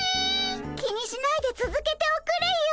気にしないでつづけておくれよ。